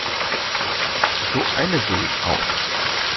So eine will ich auch.